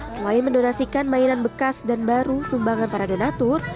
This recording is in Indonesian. selain mendonasikan mainan bekas dan baru sumbangan para donatur